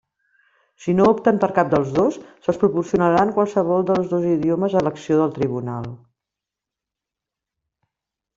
Si no opten per cap dels dos, se'ls proporcionarà en qualsevol dels dos idiomes, a elecció del tribunal.